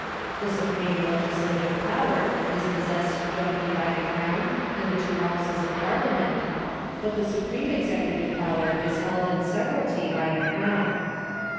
The supreme legislative j)ower is possessed jointly by the Crown and th(! two Houses of Parliament, but the suprcMue executive power is held in severalty by the Crown.